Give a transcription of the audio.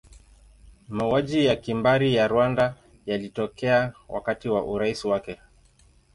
Mauaji ya kimbari ya Rwanda yalitokea wakati wa urais wake.